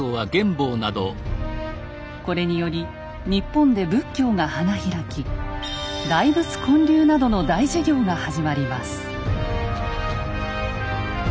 これにより日本で仏教が花開き大仏建立などの大事業が始まります。